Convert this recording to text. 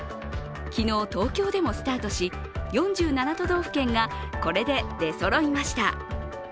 昨日東京でもスタートし４７都道府県がこれで出そろいました。